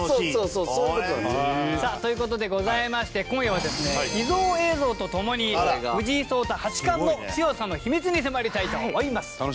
高橋：そういう事なんですよ。という事でございまして今夜はですね、秘蔵映像とともに藤井聡太八冠の強さの秘密に迫りたいと思います。